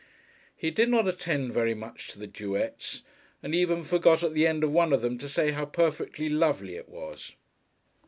He did not attend very much to the duets and even forgot at the end of one of them to say how perfectly lovely it was.